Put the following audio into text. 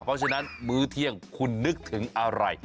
เพราะฉะนั้นมื้อเที่ยงคุณนึกถึงอะไร